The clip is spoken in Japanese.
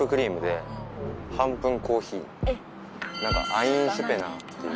アインシュペナー？